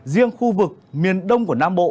riêng khu vực miền đông của nam bộ